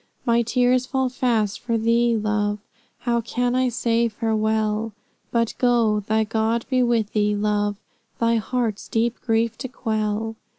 My tears fall fast for thee, Love, How can I say farewell! But go; thy God be with thee, Love, Thy heart's deep grief to quell!